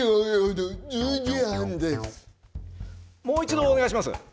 もう一度お願いします。